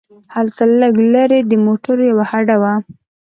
هلته لږ لرې د موټرو یوه هډه وه.